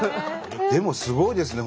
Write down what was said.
でもすごいですね。